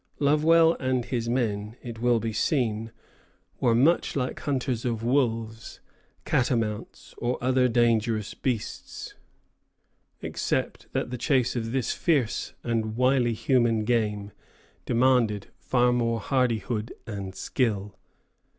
Lovewell and his men, it will be seen, were much like hunters of wolves, catamounts, or other dangerous beasts, except that the chase of this fierce and wily human game demanded far more hardihood and skill.